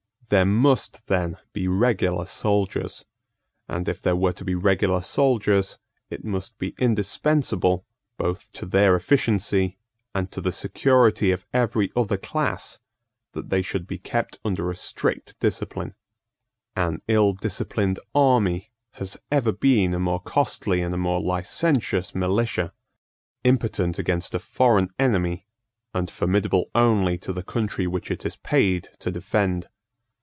There must then be regular soldiers; and, if there were to be regular soldiers, it must be indispensable, both to their efficiency, and to the security of every other class, that they should be kept under a strict discipline. An ill disciplined army has ever been a more costly and a more licentious militia, impotent against a foreign enemy, and formidable only to the country which it is paid to defend.